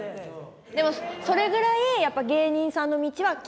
でもそれぐらいやっぱ芸人さんの道は厳しい。